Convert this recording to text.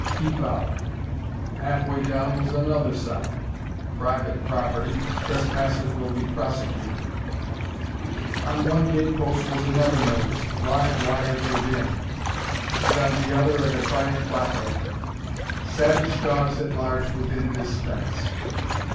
"Keep Out!" Halfway down was another sign. "Private Property. Trespassers Will Be Prosecuted." On one gate post was another notice, "Live Wires Within." and on the other a defiant placard. "Savage Dogs At Large Within This Fence."